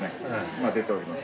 今出ております。